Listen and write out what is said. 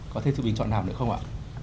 có thêm sự bình chọn nào nữa không ạ